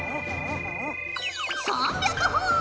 ３００ほぉ！